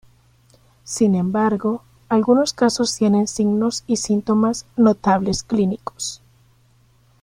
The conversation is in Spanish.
Sin embargo, algunos casos tienen signos y síntomas notables clínicos.